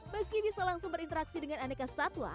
meski bisa langsung berinteraksi dengan aneka satwa